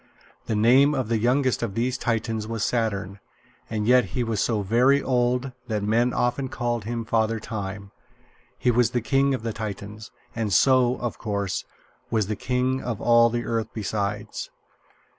The name of the youngest of these Titans was Saturn; and yet he was so very old that men often called him Father Time. He was the king of the Titans, and so, of course, was the king of all the earth besides.